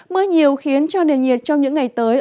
mưa nhiều khiến cho nền nhiệt trong những ngày tới